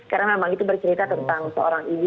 karena memang itu bercerita tentang seorang ibu